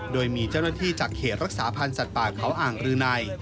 โดยมีเจ้าหน้าที่จากเขตรักษาพันธ์สัตว์ป่าเขาอ่างรืนัย